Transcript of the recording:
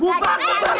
bubar bubar bubar